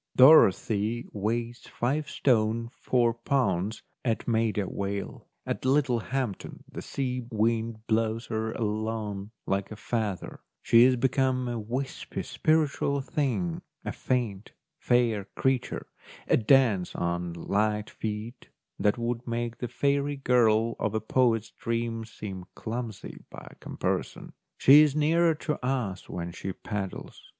Dorothy weighs five stone four pounds at Maida Vale ; at Littlehampton the sea wind blows her along like a feather ; she is become a wispy, spiritual thing, a CHILDREN AND THE SEA 133 faint, fair creature a dance on light feet that would make the fairy girl of a poet's dream seem clumsy by comparison. She is nearer to us when she paddles.